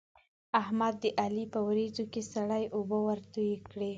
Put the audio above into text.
احمد د علي په وريجو کې سړې اوبه ورتوی کړې.